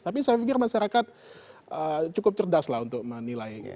tapi saya pikir masyarakat cukup cerdas untuk menilai